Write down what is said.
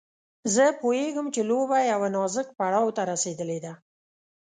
زه پوهېږم چې لوبه يوه نازک پړاو ته رسېدلې ده.